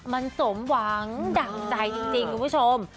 มันสมหวังดั่งใจจริงคุณผู้ชม